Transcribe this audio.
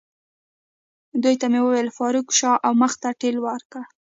دوی ته مې وویل: فاروق، شا او مخ ته ټېله ورکړئ.